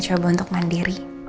aku mau coba untuk mandiri